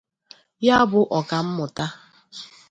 ya bụ Ọkammụta